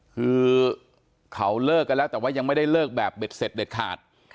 คือเขาเลิกกันแล้วแต่ว่ายังไม่ได้เลิกแบบเบ็ดเสร็จเด็ดขาด